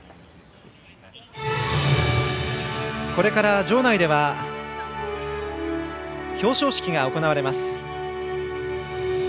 これから場内では表彰式が行われます。